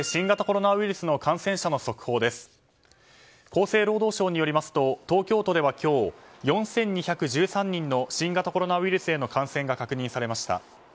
厚生労働省によりますと東京都では今日４２１３人の新型コロナウイルスへの感染が確認されました。